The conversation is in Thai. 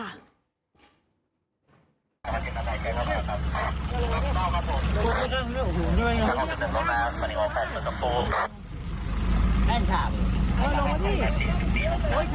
แท่งถามโอ้ยลงมาสิโอ้ยแท่งมีอะไรอยู่นะลงมา